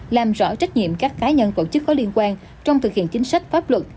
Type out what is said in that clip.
làm rõ trách nhiệm các cá nhân tổ chức có liên quan trong thực hiện chính sách pháp luật